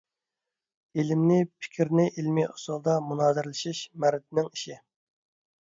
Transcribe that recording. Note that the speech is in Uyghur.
ئىلىمنى، پىكىرنى ئىلىمىي ئۇسۇلدا مۇنازىرىلىشىش مەردنىڭ ئىشى.